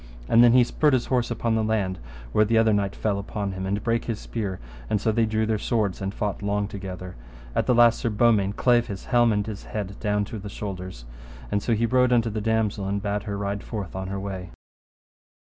And then he spurred his horse upon the land, where the other knight fell upon him, and brake his spear, and so they drew their swords and fought long together. At the last Sir Beaumains clave his helm and his head down to the shoulders; and so he rode unto the damosel and bade her ride forth on her way.